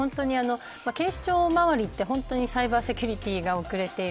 警視庁回りって本当にサイバーセキュリティが遅れている。